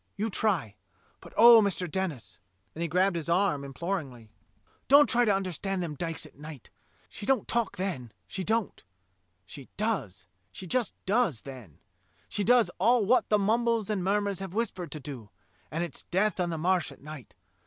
You try. But, oh. Mister Denis" — and he grabbed his arm imploringly — "don't try to understand them dykes at night. She don't talk then, she don't; she does — she just does then. She does all wot the mumbles and murmurs have whis pered to do; and it's death on the Marsh at night.